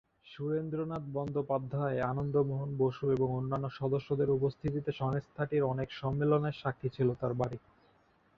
সুরেন্দ্রনাথ বন্দ্যোপাধ্যায়, আনন্দমোহন বসু এবং অন্যান্য সদস্যদের উপস্থিতিতে সংস্থাটির অনেক সম্মেলনের সাক্ষী ছিল তার বাড়ি।